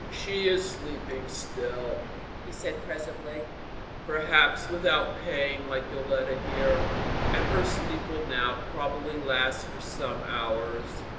"She is sleeping still," he said presently, "perhaps without pain, like Yoletta here, and her sleep will now probably last for some hours."